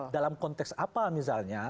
dalam konteks apa misalnya